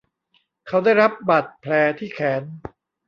เขาได้รับบาดแผลที่แขน